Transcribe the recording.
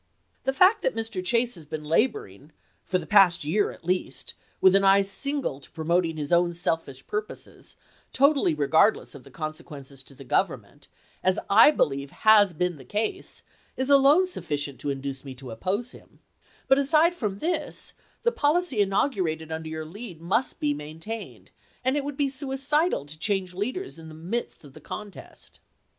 "The fact that Mr. Chase has been laboring, for the past year at least, with an eye single to promoting his own selfish purposes, totally regardless of the consequences to the Government, as I believe has been the ease, is alone sufficient to induce me to oppose him ; but aside from this, the poHcy inaugurated under your lead must be main to LhJoin, tained, and it would be suicidal to change leaders 1864. ' MS. in the midst of the contest."